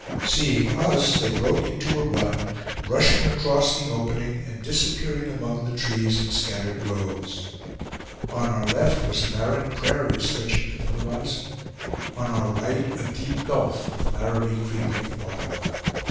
Seeing us, they broke into a run, rushing across the opening and disappearing among the trees and scattered groves. On our left was a barren prairie, stretching to the horizon; on our right, a deep gulf, with Laramie Creek at the bottom.